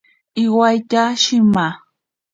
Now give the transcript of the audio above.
Iwatya shima.